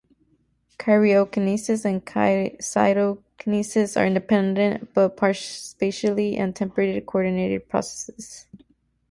Karyokinesis and cytokinesis are independent but spatially and temporally coordinated processes.